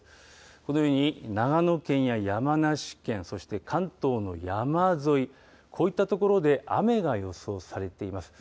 このように長野県や山梨県、そして、関東の山沿い、こういった所で雨が予想されています。